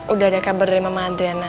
udah ada kabar dari mama dena